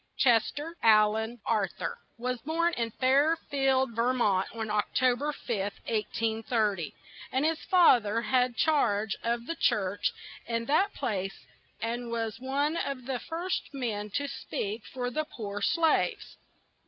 Ches ter Al an Ar thur was born in Fair field, Ver mont, on Oc to ber 5th, 1830, and his fath er had charge of the church in that place and was one of the first men to speak for the poor slaves.